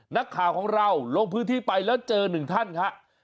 นักข่าวของเราลงพื้นที่ไปแล้วเจอหนึ่งท่านครับ